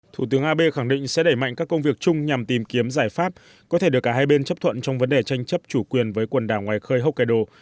thủ tướng abe khẳng định sẽ đẩy mạnh các công việc chung nhằm tìm kiếm giải pháp có thể được cả hai bên chấp thuận trong vấn đề tranh chấp chủ quyền với quần đảo ngoài khơi hokkaido